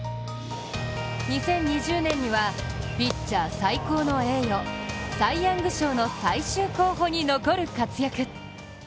２０２０年にはピッチャー最高の栄誉サイ・ヤング賞の最終候補に残る活躍。